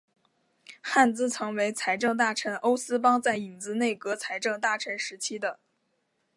汉兹曾为财政大臣欧思邦在影子内阁财政大臣时期的。